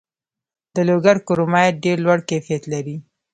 د لوګر کرومایټ ډیر لوړ کیفیت لري.